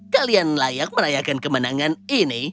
kalian layak merayakan kemenangan ini